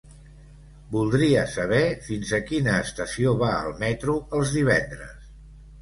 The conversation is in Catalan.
Voldria saber fins a quina estació va el metro els divendres?